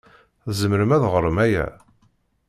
Tzemrem ad ɣṛem aya?